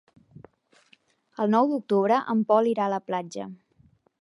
El nou d'octubre en Pol irà a la platja.